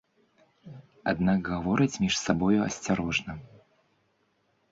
Аднак гавораць між сабою асцярожна.